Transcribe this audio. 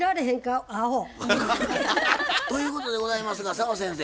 あほ！ということでございますが澤先生